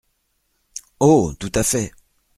Oh ! tout à fait !